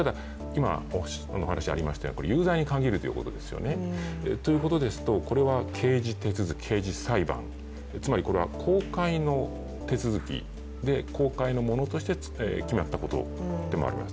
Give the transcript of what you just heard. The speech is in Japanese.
と同時に、有罪に限るということですよね。ということですと、これは刑事手続き刑事裁判、つまり公開の手続きで公開のものとして決まったことでもあります。